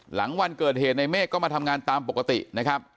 หลังวันเกิดเหตุในเมฆก็มาทำงานตามปกตินะครับ